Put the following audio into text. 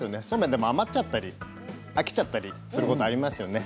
でも余っちゃったり飽きちゃったりすることがありますよね。